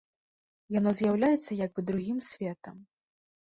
Яно з'яўляецца як бы другім светам.